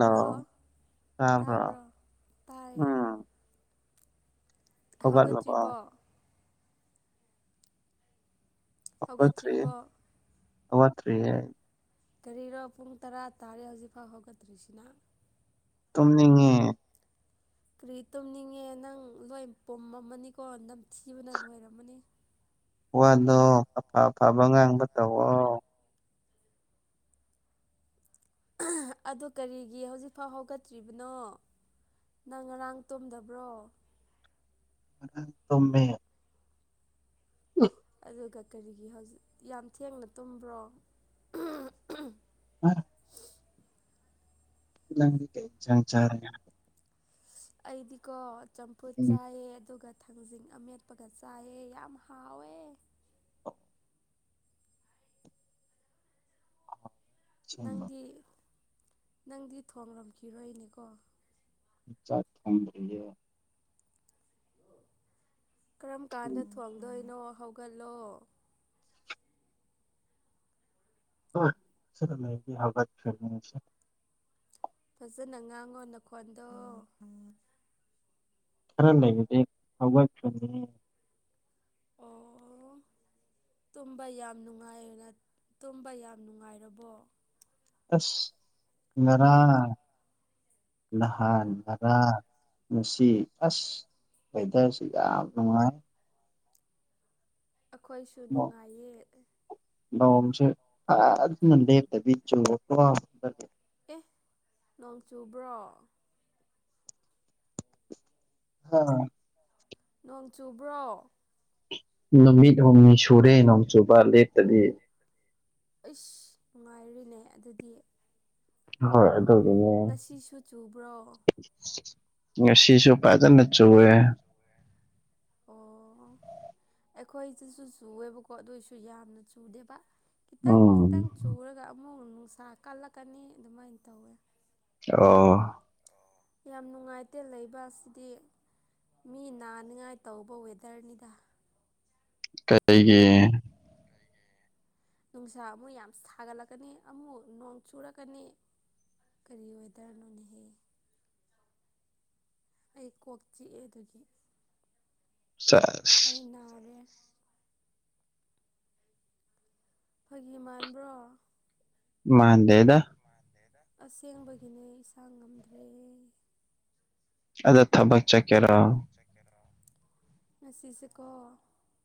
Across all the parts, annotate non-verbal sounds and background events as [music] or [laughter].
Hello ꯇꯥꯕ꯭ꯔꯣ ꯇꯥꯏꯌꯦ ꯎꯝ ꯍꯧꯒꯠꯂꯕꯣ ꯍꯧꯒꯠꯇ꯭ꯔꯤꯕꯣ ꯍꯧꯒꯠꯇ꯭ꯔꯤꯌꯦ ꯍꯧꯒꯠꯇ꯭ꯔꯤꯕꯣ ꯍꯧꯒꯠꯇ꯭ꯔꯤꯍꯦ ꯑꯩ ꯀꯔꯤꯔꯥ ꯄꯨꯡ ꯇꯔꯥ ꯇꯥꯔꯦ ꯍꯧꯖꯤꯛꯐꯥꯎ ꯍꯧꯒꯠꯇ꯭ꯔꯤꯁꯤꯅ ꯇꯨꯝꯅꯤꯡꯉꯦ ꯀ꯭ꯔꯤ ꯇꯨꯝꯅꯤꯡꯉꯦ ꯅꯪ ꯂꯣꯏ ꯄꯨꯝꯃꯝꯃꯅꯤꯀꯣ ꯅꯝꯊꯤꯕꯅ ꯂꯣꯏꯔꯝꯃꯅꯤ ꯋꯥꯗꯣ ꯑꯐ ꯑꯐꯕ ꯉꯥꯡꯕ ꯇꯧꯋꯣ ꯑꯗꯣ ꯀꯔꯤꯒꯤ ꯍꯧꯖꯤꯛꯐꯥꯎ ꯍꯧꯒꯠꯇ꯭ꯔꯤꯕꯅꯣ ꯅꯪ ꯉꯔꯥꯡ ꯇꯨꯝꯗꯕ꯭ꯔꯣ ꯉꯔꯥꯡ ꯇꯨꯝꯃꯦ ꯎꯝ ꯑꯗꯨꯒ ꯀꯔꯤꯒꯤ ꯍꯧꯖꯤꯛ ꯌꯥꯝ ꯊꯦꯡꯅ ꯇꯨꯝꯕ꯭ꯔꯣ ꯑꯥ ꯅꯪꯗꯤ ꯀꯩ ꯏꯟꯁꯥꯡ ꯆꯥꯔꯒꯦ ꯑꯩꯗꯤꯀꯣ ꯆꯝꯐꯨꯠ ꯎꯝ ꯆꯥꯏꯌꯦ ꯑꯗꯨꯒ ꯊꯥꯡꯖꯤꯡ ꯑꯃꯦꯠꯄꯒ ꯆꯥꯏꯌꯦ ꯌꯥꯝ ꯍꯥꯎꯋꯦ ꯑꯁꯦꯡꯕ ꯅꯪꯗꯤ ꯅꯪꯗꯤ ꯊꯣꯡꯂꯝꯈꯤꯔꯣꯏꯅꯦꯀꯣ ꯆꯥꯛ ꯊꯣꯡꯗ꯭ꯔꯤꯌꯦ ꯀꯔꯝ ꯊꯣꯡ ꯀꯥꯟꯗ ꯊꯣꯡꯗꯣꯏꯅꯣ ꯍꯧꯒꯠꯂꯣ [unintelligible] ꯍꯧꯒꯠꯈ꯭ꯔꯅꯤ ꯉꯁꯤ ꯐꯖꯅ ꯉꯥꯡꯉꯣ ꯅꯈꯣꯟꯗꯣ ꯈꯔ ꯂꯩꯔꯗꯤ ꯍꯧꯒꯠꯈ꯭ꯔꯅꯤ ꯑꯣ [inaudible] ꯇꯨꯝꯕ ꯌꯥꯝ ꯅꯨꯡꯉꯥꯏꯌꯦꯅ ꯇꯨꯝꯕ ꯌꯥꯝ ꯅꯨꯡꯉꯥꯏꯔꯕꯣ ꯑꯁ ꯉꯔꯥꯡ ꯅꯍꯥꯟ ꯉꯔꯥꯡ ꯉꯁꯤ ꯑꯁ ꯋꯦꯗꯔꯁꯤ ꯌꯥꯝ ꯅꯨꯡꯉꯥꯢ ꯑꯈꯣꯏꯁꯨ ꯅꯣꯡ ꯅꯨꯡꯉꯥꯏꯌꯦ ꯅꯣꯡꯁꯦ ꯐꯖꯅ ꯂꯦꯞꯇꯕꯤ ꯆꯨꯕꯀꯣ ꯑꯦ ꯅꯣꯡ ꯆꯨꯕ꯭ꯔꯣ ꯍꯥ ꯅꯣꯡ ꯆꯨꯕ꯭ꯔꯣ ꯅꯨꯃꯤꯠ ꯍꯨꯝꯅꯤ ꯁꯨꯔꯦ ꯅꯣꯡ ꯆꯨꯕ ꯂꯦꯞ ꯑꯩꯁ ꯅꯨꯡꯉꯥꯏꯔꯤꯅꯦ ꯑꯗꯨꯗꯤ ꯍꯣꯏ ꯎꯝ ꯑꯗꯨꯒꯤꯅꯦ ꯉꯁꯤꯁꯨ ꯆꯨꯕ꯭ꯔꯣ ꯉꯁꯤꯁꯨ ꯐꯖꯅ ꯉꯁꯤꯁꯨ ꯆꯨꯋꯦ ꯐꯖꯅꯥ ꯆꯨꯈ꯭ꯔꯦ ꯑꯣ ꯑꯩꯈꯣꯏꯁꯤꯗꯥꯁꯨ ꯆꯨꯑꯦꯕꯀꯣ ꯑꯗꯣꯏꯁꯨ ꯌꯥꯝꯅ ꯆꯨꯗꯦꯕ ꯈꯤꯇꯪ ꯎꯝ ꯈꯤꯇꯪ ꯆꯨꯔꯒ ꯑꯃꯨꯛ ꯅꯨꯡꯁꯥ ꯀꯜꯂꯛꯀꯅꯤ ꯑꯗꯨꯃꯥꯏꯟ ꯇꯧꯋꯦ ꯑꯣ ꯌꯥꯝ ꯅꯨꯡꯉꯥꯏꯇꯦ ꯂꯩꯕ ꯁꯤꯗꯤ ꯃꯤ ꯅꯥꯅꯤꯡꯉꯥꯏ ꯇꯧꯕ ꯋꯦꯗꯔꯅꯤꯗ ꯀꯩꯒꯤ ꯅꯨꯡꯁꯥ ꯑꯃꯨꯛ ꯌꯥꯝ ꯁꯥꯒꯠꯂꯛꯀꯅꯤ ꯑꯃꯨꯛ ꯅꯣꯡ ꯆꯨꯔꯛꯀꯅꯤ ꯀꯔꯤ ꯋꯦꯗꯔꯅꯣꯅꯍꯦ ꯑꯩ ꯀꯣꯛ ꯆꯤꯛꯑꯦ ꯑꯗꯨꯒꯤ ꯁꯦꯁ ꯑꯩ ꯅꯥꯔꯦ ꯐꯥꯒꯤ ꯃꯥꯟꯕ꯭ꯔꯣ ꯃꯥꯥꯟꯗꯦꯗ ꯃꯥꯟꯗꯦꯗ ꯑꯁꯦꯡꯕꯒꯤꯅꯦ ꯏꯁꯥ ꯉꯝꯗ꯭ꯔꯦ ꯑꯩ ꯑꯗꯣ ꯊꯕꯛ ꯆꯠꯀꯦꯔꯣ ꯆꯠꯀꯦꯔꯣ ꯉꯁꯤꯁꯦꯀꯣ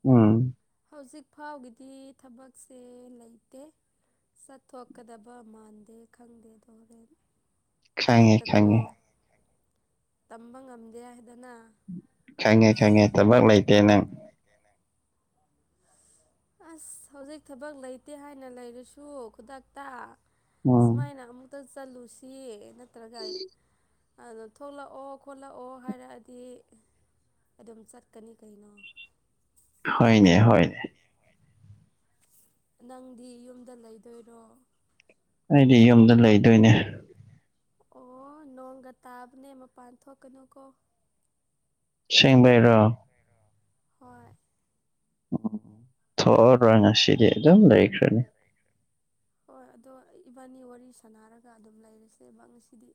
ꯎꯝ ꯍꯧꯖꯤꯛ ꯐꯥꯎꯒꯤꯗꯤ ꯊꯕꯛꯁꯦ ꯂꯩꯇꯦ ꯆꯠꯊꯣꯛꯀꯗꯕ ꯃꯥꯟꯗꯦ ꯈꯪꯗꯦꯗꯣ ꯍꯣꯔꯦꯟ ꯈꯪꯉꯦ ꯈꯨꯗꯛꯇ ꯀꯣ ꯈꯪꯉꯦ ꯇꯝꯕ ꯉꯝꯗꯦ ꯍꯥꯏꯗꯅ ꯈꯪꯉꯦ ꯈꯪꯉꯦ ꯊꯕꯛ ꯂꯩꯇꯦ ꯅꯪ ꯂꯩꯇꯦ ꯅꯪ ꯑꯁ ꯍꯧꯖꯤꯛ ꯊꯕꯛ ꯂꯩꯇꯦ ꯍꯥꯏꯅ ꯂꯩꯔꯁꯨ ꯈꯨꯗꯛꯇ ꯎꯝ ꯁꯨꯃꯥꯏꯅ ꯑꯃꯨꯛꯇ ꯆꯠꯂꯨꯁꯤ ꯅꯠꯇ꯭ꯔꯒꯥꯌꯦ ꯑꯗꯣ ꯊꯣꯛꯂꯛꯑꯣ ꯈꯣꯠꯂꯛꯑꯣ ꯍꯥꯏꯔꯛꯑꯗꯤ ꯑꯗꯨꯝ ꯆꯠꯀꯅꯤ ꯀꯩꯅꯣ ꯍꯣꯏꯅꯦ ꯍꯣꯏꯅꯦ ꯍꯣꯏꯅꯦ ꯅꯪꯗꯤ ꯌꯨꯝꯗ ꯂꯩꯗꯣꯏꯔꯣ ꯑꯩꯗꯤ ꯌꯨꯝꯗ ꯂꯩꯗꯣꯏꯅꯦ ꯑꯣ ꯅꯣꯡꯒ ꯇꯥꯕꯅꯦ ꯃꯄꯥꯟ ꯊꯣꯛꯀꯅꯨ ꯀꯣ ꯑꯁꯦꯡꯕꯩ ꯑꯁꯦꯡꯕꯩꯔꯣ ꯍꯣꯏ ꯎꯝ ꯊꯣꯛꯑꯔꯣꯏ ꯉꯁꯤꯗꯤ ꯑꯗꯨꯝ ꯂꯩꯈ꯭ꯔꯅꯤ ꯍꯣꯏ ꯑꯗꯣ ꯏꯕꯥꯅꯤ ꯋꯥꯔꯤ ꯁꯥꯥꯟꯅꯔꯒ ꯑꯗꯨꯝ ꯂꯩꯔꯁꯦꯕ ꯉꯁꯤꯗꯤ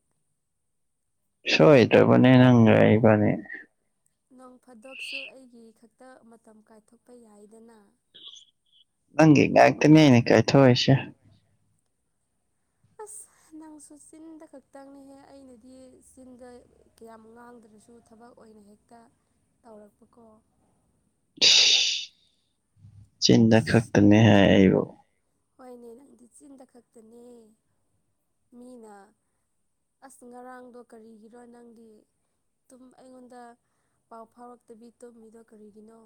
ꯁꯣꯏꯗ꯭ꯔꯕꯅꯦ ꯅꯪꯒ ꯑꯩꯕꯅꯤ ꯅꯣꯡ ꯐꯥꯗꯣꯛꯁꯨ ꯑꯩꯒꯤ ꯈꯛꯇ ꯃꯇꯝ ꯀꯥꯏꯊꯣꯛꯄ ꯌꯥꯏꯗꯅ ꯅꯪꯒꯨ ꯉꯥꯛꯇꯅꯦ ꯑꯩꯅ ꯀꯥꯏꯊꯣꯛꯏꯁꯦ ꯑꯁ ꯅꯪꯁꯨ ꯆꯤꯟꯗ ꯈꯛꯇꯪꯅꯤꯍꯦ ꯑꯩꯅꯗꯤ ꯆꯤꯟꯗ ꯀꯌꯥꯝ ꯉꯥꯡꯗ꯭ꯔꯁꯨ ꯊꯕꯛ ꯑꯣꯏꯅ ꯍꯦꯛꯇ ꯇꯧꯔꯛꯄꯀꯣ [inaudible] ꯆꯤꯟꯗ ꯈꯛꯇꯅꯦ ꯍꯥꯏ ꯑꯩꯕꯨ ꯍꯣꯏꯅꯦ ꯅꯪꯗꯤ ꯆꯤꯟꯗ ꯈꯛꯇꯅꯦ ꯃꯤꯅ ꯑꯁ ꯉꯔꯥꯡꯗꯣ ꯀꯔꯤꯒꯤꯔꯣ ꯅꯪꯗꯤ ꯇꯨꯝ ꯑꯩꯉꯣꯟꯗ ꯄꯥꯎ ꯐꯥꯎꯔꯛꯇꯕꯤ ꯇꯨꯝꯃꯤꯗꯣ ꯀꯔꯤꯒꯤꯅꯣ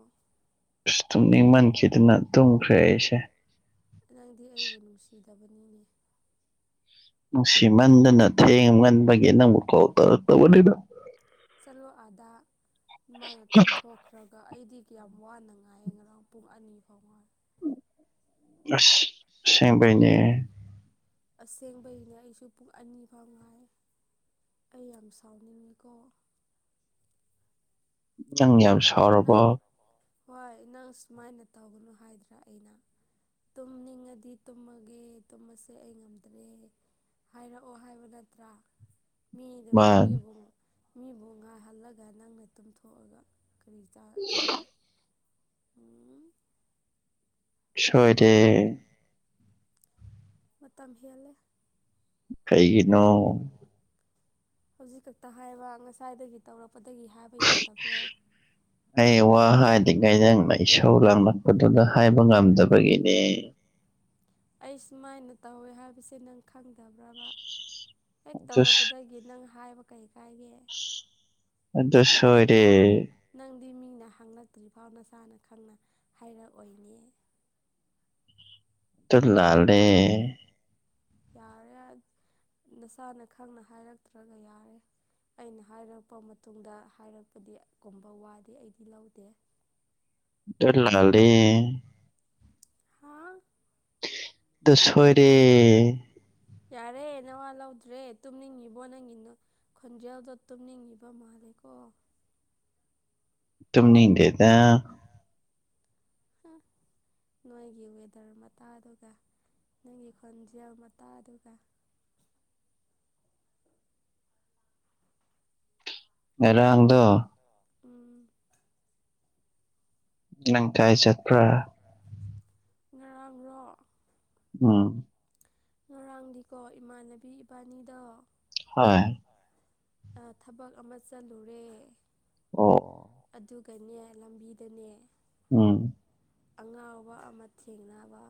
ꯑꯁ ꯇꯨꯝꯅꯤꯡꯃꯟꯈꯤꯗꯅ ꯇꯨꯝꯈ꯭ꯔꯦ ꯑꯩꯁꯦ ꯅꯪꯗꯤ ꯑꯩꯕꯨ ꯅꯨꯡꯁꯤꯗꯕꯅꯤꯅꯦ ꯅꯨꯡꯁꯤꯃꯟꯗꯅ ꯊꯦꯡꯃꯟꯕꯒꯤ ꯅꯪꯕꯨ ꯀꯣꯜ ꯇꯧꯔꯛꯇꯕꯅꯤꯗ ꯆꯠꯂꯣ ꯑꯗꯥ ꯃꯥꯅ ꯇꯨꯝꯊꯣꯛ ꯈ꯭ꯔꯒ ꯑꯩꯗꯤ ꯀꯌꯥꯝ ꯋꯥꯅ ꯉꯥꯏꯑꯦ ꯉꯔꯥꯡ ꯄꯨꯡ ꯑꯅꯤ ꯐꯥꯎ ꯉꯥꯏ ꯅꯁ ꯑꯁꯦꯡꯕꯩꯅꯦ ꯑꯁꯦꯡꯕꯩꯅꯦ ꯑꯩꯁꯨ ꯄꯨꯡ ꯑꯅꯤ ꯐꯥꯎ ꯉꯥꯏꯌꯦ ꯑꯩ ꯌꯥꯝ ꯁꯥꯎꯅꯤꯡꯉꯤꯀꯣ ꯅꯪ ꯌꯥꯝ ꯁꯥꯎꯔꯕꯣ ꯅꯪ ꯍꯣꯏ ꯅꯪ ꯁꯨꯃꯥꯏꯅ ꯇꯧꯒꯅꯨ ꯍꯥꯏꯗ꯭ꯔꯥ ꯑꯩꯅ ꯇꯨꯝꯅꯤꯡꯉꯗꯤ ꯇꯨꯝꯃꯒꯦ ꯇꯨꯝꯃꯁꯦ ꯑꯩ ꯉꯝꯗ꯭ꯔꯦ ꯍꯥꯏꯔꯛꯑꯣ ꯍꯥꯏꯕ ꯅꯠꯇ꯭ꯔꯥ ꯃꯤꯗꯕꯨ ꯃꯥꯟ ꯃꯤꯕꯨ ꯃꯤꯕꯨ ꯉꯥꯏꯍꯜꯂꯒ ꯅꯪꯅ ꯇꯨꯝꯊꯣꯛꯑꯒ ꯀꯔꯤ ꯆꯥ ꯀꯔꯤ ꯎꯝ ꯁꯣꯏꯗꯦ ꯃꯇꯝ ꯍꯦꯜꯂꯦ ꯀꯩꯒꯤꯅꯣ ꯍꯧꯖꯤꯛ ꯈꯛꯇ ꯍꯥꯏꯕ ꯉꯁꯥꯏꯗꯒꯤ ꯇꯧꯔꯛꯄꯗꯒꯤ ꯍꯥꯏꯕ ꯌꯥꯗꯕ꯭ꯔꯣ ꯑꯩ ꯋꯥ ꯍꯥꯏꯗꯤꯉꯩ ꯅꯪꯅ ꯏꯁꯧ ꯂꯥꯡꯂꯛꯄꯗꯨꯗ ꯍꯥꯏꯕ ꯉꯝꯗꯕꯒꯤꯅꯦ ꯑꯩ ꯁꯨꯃꯥꯏꯅ ꯇꯧꯋꯦ ꯍꯥꯏꯕꯁꯦ ꯅꯪ ꯈꯪꯗꯕ꯭ꯔꯕ ꯍꯦꯛ ꯑꯗꯨ ꯇꯧꯔꯛꯄꯗꯒꯤ ꯅꯪ ꯍꯥꯏꯕ ꯀꯩ ꯀꯥꯏꯒꯦ ꯑꯗꯨ ꯁꯣꯏꯔꯦ ꯅꯪꯗꯤ ꯃꯤꯅ ꯍꯪꯉꯛꯇ꯭ꯔꯤꯐꯥꯎ ꯅꯁꯥꯅ ꯈꯪꯅ ꯍꯥꯏꯔꯛꯑꯣꯏꯅꯦ ꯇꯨꯠ ꯂꯥꯜꯂꯦ ꯌꯥꯔꯦ ꯅꯁꯥꯅ ꯈꯪꯅ ꯍꯥꯏꯔꯛꯇ꯭ꯔꯒ ꯌꯥꯔꯦ ꯑꯩꯅ ꯍꯥꯏꯔꯛꯄ ꯃꯇꯨꯡꯗ ꯍꯥꯏꯔꯛꯄꯗꯤ ꯀꯨꯝꯕ ꯋꯥꯗꯤ ꯑꯩꯗꯤ ꯂꯧꯗꯦ ꯇꯨꯠ ꯂꯥꯜꯂꯦ ꯍꯥꯥ ꯗꯨꯁꯣꯏ ꯌꯥꯔꯦ ꯅꯋꯥ ꯂꯧꯗ꯭ꯔꯦ ꯇꯨꯝꯅꯤꯡꯉꯤꯕꯣ ꯅꯪꯒꯤ ꯅꯨ ꯈꯣꯟꯖꯦꯜꯗꯣ ꯇꯨꯝꯅꯤꯡꯉꯤꯕ ꯃꯥꯜꯂꯦ ꯀꯣ ꯇꯨꯨꯝꯅꯤꯡꯗꯦꯗ ꯅꯣꯏꯒꯤ ꯋꯦꯗꯔ ꯃꯇꯥꯗꯨꯒ ꯅꯪꯒꯤ ꯈꯣꯟꯖꯦꯜ ꯃꯇꯥꯗꯨꯒ ꯉꯔꯥꯡꯗꯣ ꯗꯣ ꯎꯝ ꯅꯪ ꯀꯥꯏ ꯆꯠꯄ꯭ꯔꯥ? ꯄ꯭ꯔꯥ ꯉꯔꯥꯡꯔꯣ? ꯎꯝ ꯉꯔꯥꯡꯗꯤꯀꯣ ꯏꯃꯥꯟꯅꯕꯤ ꯏꯕꯟꯅꯤꯗꯣ ꯍꯣꯏ ꯍꯣꯏ ꯑꯥ ꯊꯕꯛ ꯑꯃ ꯆꯠꯂꯨꯔꯦ ꯑꯣ ꯑꯣ ꯑꯗꯨꯒꯅꯦ ꯂꯝꯕꯤꯗꯅꯦ ꯎꯝ ꯑꯉꯥꯎꯕ ꯑꯃ ꯊꯦꯡꯅꯕ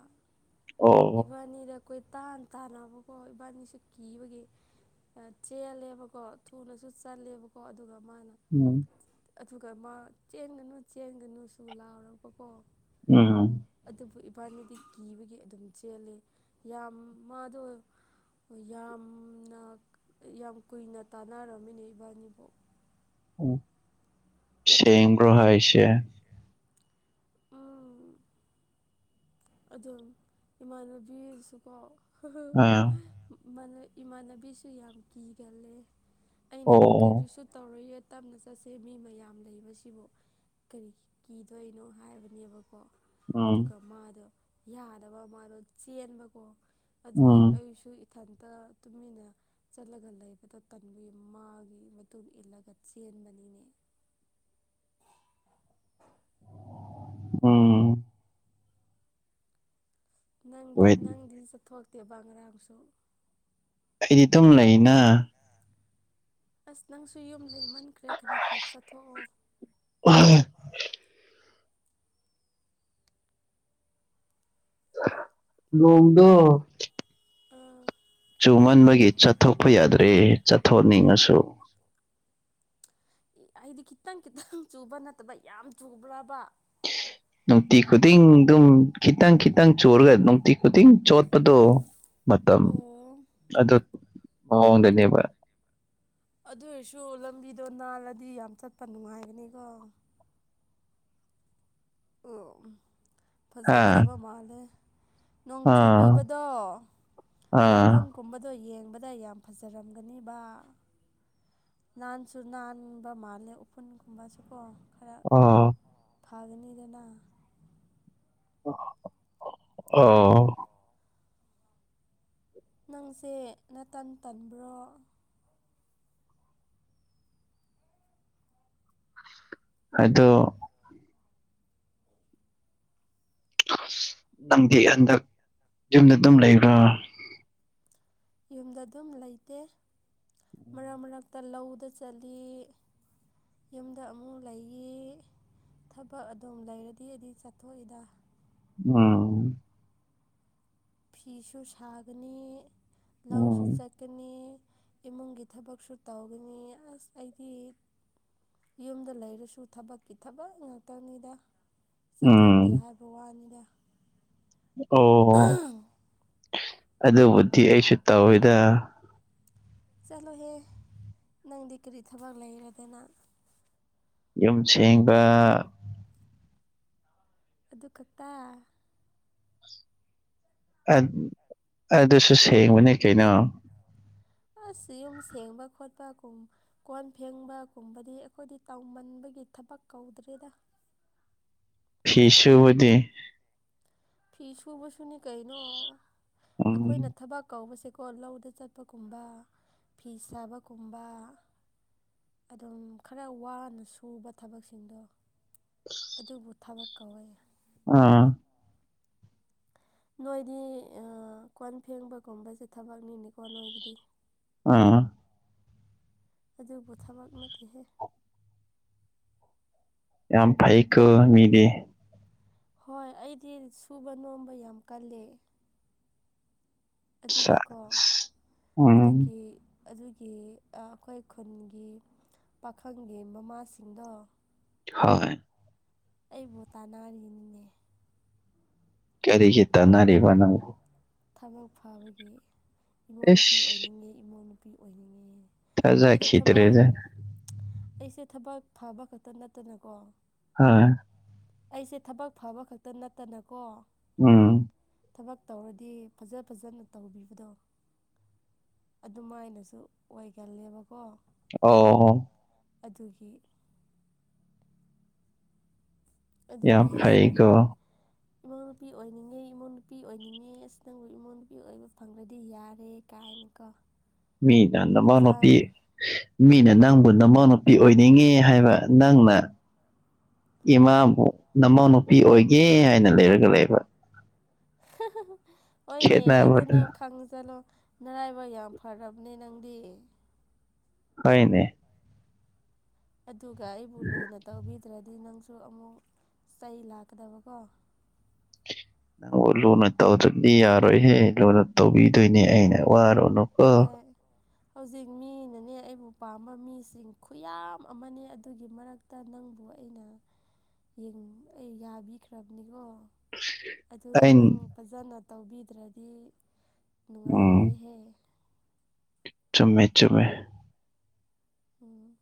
ꯑꯣ ꯏꯕꯟꯅꯤꯗ ꯀꯣꯏꯇꯥꯟ ꯇꯥꯟꯅꯕꯀꯣ ꯏꯕꯟꯅꯤꯁꯨ ꯀꯤꯕꯒꯤ ꯑꯥ ꯆꯦꯜꯂꯦꯕꯀꯣ ꯊꯨꯅꯁꯨ ꯆꯠꯂꯦꯕꯀꯣ ꯑꯗꯨꯒ ꯃꯥꯅ ꯎꯝ ꯑꯗꯨꯒ ꯃꯥ ꯆꯦꯟꯒꯅꯨ ꯆꯦꯟꯒꯅꯨꯁꯨ ꯂꯥꯎꯔꯛꯄꯀꯣ ꯎꯝ ꯑꯗꯨꯕꯨ ꯏꯕꯟꯅꯤꯗꯤ ꯀꯤꯕꯒꯤ ꯑꯗꯨꯝ ꯆꯦꯜꯂꯦ ꯌꯥꯝ ꯃꯥꯗꯣ ꯍꯣꯏ ꯌꯥꯝꯅ ꯌꯥꯝ ꯀꯨꯏꯅ ꯇꯥꯟꯅꯔꯝꯃꯦꯅꯦ ꯏꯕꯟꯅꯤꯕꯨ ꯎꯝ ꯁꯦꯡꯕ꯭ꯔꯣ ꯍꯥꯏꯔꯤꯁꯦ? ꯎꯝ ꯑꯗꯨꯝ ꯏꯃꯥꯟꯅꯕꯤ ꯑꯗꯨꯁꯨꯀꯣ [unintelligible] ꯎꯝ ꯑꯥ ꯃꯟꯅꯥ ꯏꯃꯥꯟꯅꯕꯤꯁꯨ ꯌꯥꯝ ꯀꯤꯒꯜꯂꯦ ꯑꯣ ꯑꯩꯅꯗꯤ ꯑꯣ ꯀꯔꯤꯁꯨ ꯇꯧꯔꯣꯏꯌꯦ ꯇꯞꯅ ꯆꯠꯁꯦ ꯃꯤ ꯃꯌꯥꯝ ꯂꯩꯕꯁꯤꯕꯨ ꯀꯔꯤ ꯀꯤꯗꯣꯏꯅꯣ ꯍꯥꯏꯕꯅꯦꯕꯀꯣ ꯎꯝ ꯑꯗꯨꯒ ꯃꯥꯗꯣ ꯌꯥꯗꯕ ꯃꯥꯗꯣ ꯆꯦꯟꯕꯀꯣ ꯑꯗꯨꯒꯤ ꯎꯝ ꯑꯩꯁꯨ ꯏ ꯊꯟꯇ ꯇꯨꯃꯤꯟꯅ ꯆꯠꯂꯒ ꯂꯩꯕꯗꯣ ꯇꯟꯕꯒꯤ ꯃꯥꯒꯤ ꯃꯇꯨꯡ ꯏꯜꯂꯒ ꯆꯦꯟꯕꯅꯤꯅꯦ [unintelligible] ꯎꯝ ꯅꯪꯒꯤ ꯋꯦꯠ ꯅꯪꯗꯤ ꯆꯠꯊꯣꯛꯇꯦꯕ ꯉꯔꯥꯡꯁꯨ? ꯑꯩꯗꯤ ꯗꯨꯝ ꯂꯩꯅ ꯉꯥ ꯑꯁ ꯅꯪꯁꯨ ꯌꯨꯝ ꯂꯩꯃꯟꯈ꯭ꯔꯦ ꯈꯔ ꯈꯔ ꯆꯠꯊꯣꯛꯑꯣ [unintelligible] ꯅꯣꯡꯗꯣ ꯑꯥ ꯆꯨꯃꯟꯕꯒꯤ ꯆꯠꯊꯣꯛꯄ ꯌꯥꯗ꯭ꯔꯦ ꯆꯠꯊꯣꯛꯅꯤꯡꯉꯁꯨ ꯏ ꯍꯥꯏꯗꯤ ꯈꯤꯇꯪ ꯈꯤꯇꯪ ꯆꯨꯕ ꯅꯠꯇꯕ ꯌꯥꯝ ꯆꯨꯕ꯭ꯔꯥꯕ? ꯅꯨꯡꯇꯤ ꯈꯨꯗꯤꯡ ꯗꯨꯝ ꯈꯤꯇꯪ ꯈꯤꯇꯪ ꯆꯨꯔꯒ ꯅꯨꯡꯇꯤ ꯈꯨꯗꯤꯡ ꯆꯣꯠꯄꯗꯣ ꯃꯇꯝ ꯑꯣ ꯑꯗꯨ ꯃꯑꯣꯡꯗꯅꯦꯕ ꯑꯗꯨ ꯑꯣꯏꯔꯁꯨ ꯂꯝꯕꯤꯗꯣ ꯅꯥꯜꯂꯗꯤ ꯌꯥꯝ ꯆꯠꯄ ꯅꯨꯡꯉꯥꯏꯒꯅꯤꯀꯣ? ꯑꯨꯝ ꯍꯥ ꯐꯖꯒꯗꯕ ꯃꯥꯜꯂꯦ ꯅꯣꯡ ꯑꯥ ꯆꯨꯕꯤꯕꯗꯣ ꯑꯥ ꯃꯐꯝ ꯀꯨꯝꯕꯗꯣ ꯌꯦꯡꯕꯗ ꯌꯥꯝ ꯐꯖꯔꯝꯒꯅꯦꯕ ꯅꯥꯟꯁꯨ ꯅꯥꯟꯕ ꯃꯥꯜꯂꯦ ꯎꯐꯨꯟꯒꯨꯝꯕꯁꯨꯀꯣ ꯈꯔ ꯑꯣ ꯐꯥꯒꯅꯤꯗꯅ ꯑꯥ [unintelligible] ꯅꯪꯁꯦ ꯅꯇꯟ ꯇꯟꯕ꯭ꯔꯣ ꯑꯗꯣ ꯅꯪꯗꯤ ꯍꯟꯗꯛ ꯌꯨꯝꯗ ꯗꯨꯝ ꯂꯩꯕ꯭ꯔꯥ ꯌꯨꯝꯗ ꯑꯗꯨꯝ ꯂꯩꯇꯦ ꯃꯔꯛ ꯃꯔꯛꯇ ꯂꯧꯗ ꯆꯠꯂꯤ ꯌꯨꯝꯗ ꯑꯃꯨꯛ ꯂꯩꯌꯤ ꯊꯕꯛ ꯑꯗꯨꯝ ꯂꯩꯔꯗꯤ ꯗꯤ ꯆꯠꯊꯣꯏꯗ ꯎꯝ ꯐꯤꯁꯨ ꯁꯥꯒꯅꯤ ꯂꯧꯁꯨ ꯎꯝ ꯆꯠ ꯀꯅꯤ ꯏꯃꯨꯡꯒꯤ ꯊꯕꯛꯁꯨ ꯇꯧꯒꯅꯤ ꯑꯁ ꯑꯩꯗꯤ ꯌꯨꯝꯗ ꯂꯩꯔꯁꯨ ꯊꯕꯛꯀꯤ ꯊꯕꯛ ꯉꯥꯛꯇꯅꯤꯗ ꯎꯝ ꯆꯠꯊꯣꯛꯇꯦ ꯍꯥꯏ ꯋꯥꯅꯤꯗ ꯑꯣ ꯑꯗꯨꯕꯨꯗꯤ ꯑꯩꯁꯨ ꯇꯧꯋꯤꯗ ꯆꯠꯂꯣꯍꯦ ꯅꯪꯗꯤ ꯀꯔꯤ ꯊꯕꯛ ꯂꯩꯔꯗꯅ ꯌꯨꯝ ꯁꯦꯡꯕ ꯑꯗꯨ ꯈꯛꯇ ꯑꯠ ꯑꯗꯨꯁꯨ ꯁꯦꯡꯕꯅꯤ ꯀꯩꯅꯣ ꯑꯁ ꯌꯨꯝ ꯁꯦꯡꯕ ꯈꯣꯠꯄꯀꯨꯝ ꯀꯣꯟ ꯐꯦꯡꯕꯀꯨꯝꯕꯗꯤ ꯑꯈꯣꯏꯗꯤ ꯇꯧꯃꯟꯕꯒꯤ ꯊꯕꯛ ꯀꯧꯗ꯭ꯔꯦꯗ ꯐꯤ ꯁꯨꯕꯗꯤ ꯐꯤ ꯁꯨꯕꯁꯨꯅꯤ ꯀꯩꯅꯣ ꯑꯈꯣꯏꯅ ꯎꯝ ꯊꯕꯛ ꯀꯧꯕꯁꯦꯀꯣ ꯂꯧꯗ ꯆꯠꯄꯀꯨꯝꯕ ꯐꯤ ꯁꯥꯕꯀꯨꯝꯕ ꯑꯗꯨꯝ ꯈꯔ ꯋꯥꯅ ꯁꯨꯕ ꯊꯕꯛꯁꯤꯡꯗꯣ ꯑꯗꯨꯕꯨ ꯊꯕꯛ ꯀꯧꯋꯦ ꯑꯥ ꯅꯣꯏꯗꯤ ꯑꯥ ꯀꯣꯟ ꯐꯦꯡꯕꯒꯨꯝꯕꯁꯦ ꯊꯕꯛꯅꯤꯅꯦꯀꯣ ꯅꯣꯏꯒꯤꯗꯤ ꯎꯝ ꯑꯗꯨꯕꯨ ꯊꯕꯛ ꯅꯠꯇꯦꯍꯦ ꯌꯥꯝ ꯐꯩ ꯀꯣ ꯃꯤꯗꯤ ꯍꯣꯏ ꯑꯩꯗꯤ ꯁꯨꯕ ꯅꯣꯝꯕ ꯌꯥꯝ ꯀꯜꯂꯦ ꯁꯥꯁ ꯑꯗꯨꯒꯤꯀꯣ ꯎꯝ ꯑꯗꯨꯀꯤ ꯑꯗꯨꯒꯤ ꯑꯥ ꯑꯈꯣꯏ ꯈꯨꯟꯒꯤ ꯄꯥꯈꯪꯒꯤ ꯃꯃꯥꯁꯤꯡꯗꯣ ꯍꯣꯢ ꯑꯩꯕꯨ ꯇꯥꯅꯥꯔꯤꯅꯤꯅꯦ ꯀꯔꯤꯒꯤ ꯇꯟꯅꯥꯔꯤꯕ ꯅꯪꯕꯨ ꯊꯕꯛ ꯐꯥꯕꯒꯤ ꯏꯃꯧ ꯅꯨꯨꯄꯤ ꯏꯁ ꯑꯣꯏꯅꯤꯡꯉꯦ ꯏꯃꯧ ꯅꯨꯨꯄꯤ ꯑꯣꯏꯅꯤꯉꯦ ꯑꯩꯗꯣ ꯊꯕꯛ ꯊꯥꯖꯈꯤꯗ꯭ꯔꯦꯗ ꯑꯩꯁꯦ ꯊꯕꯛ ꯐꯥꯕ ꯈꯛꯇ ꯅꯠꯇꯅꯀꯣ ꯍꯥ ꯑꯩꯁꯦ ꯊꯕꯛ ꯐꯕ ꯈꯛꯇ ꯅꯠꯇꯅꯀꯣ ꯎꯝ ꯊꯕꯛ ꯇꯧꯔꯗꯤ ꯐꯖ ꯐꯖꯅ ꯇꯧꯕꯤꯕꯗꯣ ꯑꯗꯨꯃꯥꯏꯅꯁꯨ ꯑꯣꯏꯒꯜꯂꯦꯕꯀꯣ ꯑꯣꯍꯣ ꯑꯗꯨꯒꯤ ꯑꯗꯨꯒꯤ ꯌꯥꯝ ꯏꯁ ꯐꯩꯀꯣ ꯏꯃꯧ ꯅꯨꯄꯤ ꯑꯣꯏꯅꯤꯡꯉꯦ ꯏꯃꯧ ꯅꯨꯨꯄꯤ ꯑꯣꯏꯅꯤꯡꯉꯦ ꯑꯁ ꯅꯪꯕꯨ ꯏꯃꯧ ꯅꯨꯨꯄꯤ ꯑꯣꯏꯕ ꯐꯪꯈ꯭ꯔꯗꯤ ꯌꯥꯔꯦ ꯀꯥꯏꯅꯀꯣ ꯃꯤꯅ ꯋꯃꯧ ꯃꯆꯥ ꯅꯃꯧꯅꯨꯄꯤ ꯃꯤꯅ ꯅꯪꯕꯨ ꯅꯃꯧꯅꯨꯄꯤ ꯑꯣꯏꯅꯤꯡꯉꯦ ꯍꯥꯏꯕ ꯅꯪꯅ ꯑꯦ ꯏꯃꯥꯕꯨ ꯅꯃꯧ ꯅꯨꯨꯄꯤ ꯑꯣꯏꯒꯦ ꯍꯥꯏꯅ ꯂꯩꯔꯒ ꯂꯩꯕ [unintelligible] ꯍꯣꯏꯅꯦ ꯑꯗꯨ ꯈꯦꯠꯅꯕꯗꯨ ꯅꯪ ꯈꯪꯖꯂꯣ ꯅꯔꯥꯏꯕꯛ ꯌꯥꯝ ꯐꯔꯕꯅꯦ ꯅꯪꯗꯤ ꯍꯣꯢꯅꯦ ꯑꯗꯨꯒ ꯑꯩꯕꯨ ꯂꯨꯅ ꯇꯧꯕꯤꯗ꯭ꯔꯗꯤ ꯅꯪꯁꯨ ꯑꯃꯨꯛ ꯆꯩ ꯂꯥꯛꯀꯗꯕꯀꯣ ꯅꯪꯕꯨ ꯂꯨꯅ ꯇꯧꯗ꯭ꯔꯗꯤ ꯌꯥꯔꯣꯏꯍꯦ ꯂꯨꯅ ꯇꯧꯕꯤꯗꯣꯏꯅꯦ ꯑꯩꯅ ꯋꯥꯔꯨꯅꯨ ꯍꯣꯏ ꯍꯧꯖꯤꯛ ꯃꯤꯅꯅꯦ ꯑꯩꯕꯨ ꯄꯥꯝꯕ ꯃꯤꯁꯤꯡ ꯈꯨꯌꯥꯝ ꯑꯃꯅꯦ ꯑꯗꯨꯒꯤ ꯃꯔꯛ ꯇꯥ ꯅꯪꯕꯨ ꯑꯩꯅ ꯌꯦꯡ ꯑꯩ ꯌꯥꯕꯤꯈ꯭ꯔꯕꯅꯤꯀꯣ ꯑꯁ ꯑꯗꯨꯗ ꯅꯪ ꯐꯖꯟꯅ ꯇꯧꯕꯤꯗ꯭ꯔꯗꯤ ꯎꯝ ꯅꯨꯡꯉꯥꯏꯔꯣꯏꯍꯦ ꯆꯨꯝꯃꯦ ꯆꯨꯝꯃꯦ ꯎꯝ